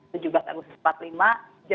dengan tanggal lahir negara indonesia